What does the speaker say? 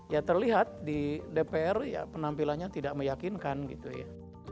ya terlihat di dpr ya penampilannya tidak meyakinkan gitu ya